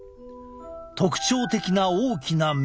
特徴的な大きな目。